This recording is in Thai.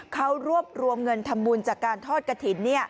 เขารวบรวมเงินทำบุญจากการทอดกระถิ่น